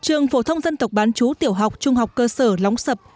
trường phổ thông dân tộc bán chú tiểu học trung học cơ sở lóng sập